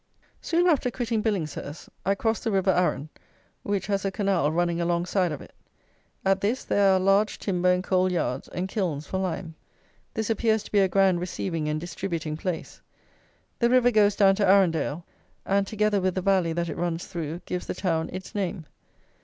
Soon after quitting Billingshurst I crossed the river Arun, which has a canal running alongside of it. At this there are large timber and coal yards, and kilns for lime. This appears to be a grand receiving and distributing place. The river goes down to Arundale, and, together with the valley that it runs through, gives the town its name.